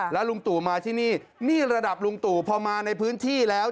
แล้วลุงตู่มาที่นี่นี่ระดับลุงตู่พอมาในพื้นที่แล้ว